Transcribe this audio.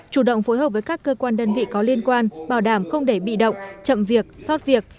chủ động phối hợp với các cơ quan đơn vị có liên quan bảo đảm không để bị động chậm việc sót việc